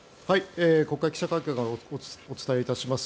国会記者会館からお伝えします。